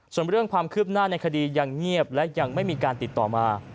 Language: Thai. ส่วนเรื่องความคืบหน้าในคดียังเงียบและยังไม่มีการติดต่อมา